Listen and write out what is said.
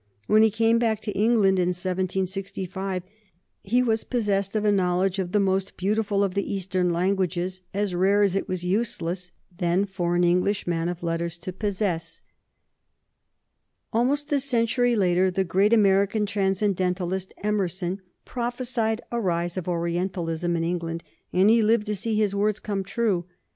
When he came back to England in 1765 he was possessed of a knowledge of the most beautiful of the Eastern languages, as rare as it was useless then for an English man of letters to possess. [Sidenote: 1769 Warren Hastings as an Oriental scholar] Almost a century later the great American transcendentalist, Emerson, prophesied a rise of Orientalism in England, and he lived to see his words come true.